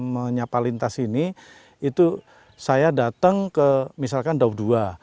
menyapa lintas ini itu saya datang ke misalkan daud dua